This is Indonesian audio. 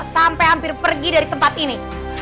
sampai hampir pergi dari tempat ini